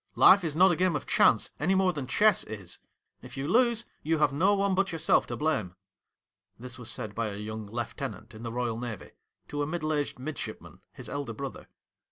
Life is not a game of chance any more than chess is. If you lose, you have no one but yourself to blame.' This was said by a young lieutenant in the Eoyal Navy, to a middle aged midshipman, his elder brother.